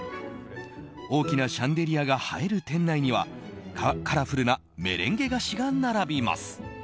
大きなシャンデリアが映える店内にはカラフルなメレンゲ菓子が並びます。